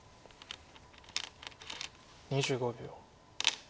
２５秒。